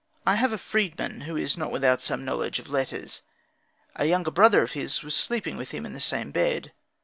I have a freedman, who is not without some knowledge of letters. A younger brother of his was sleeping with him in the same bed.